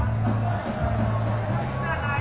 はい！